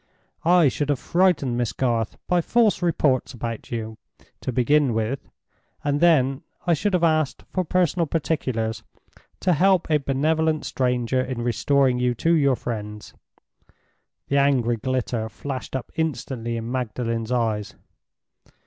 I should have frightened Miss Garth by false reports about you, to begin with, and then I should have asked for personal particulars, to help a benevolent stranger in restoring you to your friends." The angry glitter flashed up instantly in Magdalen's eyes.